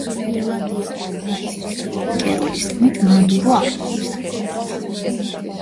ირლანდიელი ჟურნალისტის რორი კეროლის თქმით, მადურო არ ფლობს არცერთ უცხო ენას.